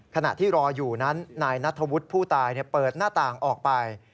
ขณะที่รออยู่นั้นนายนัทธวุฒิผู้ตายเปิดหน้าต่างออกไป